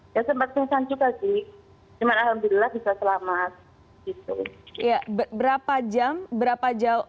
dia sempat pingsan juga sih cuman alhamdulillah bisa selamat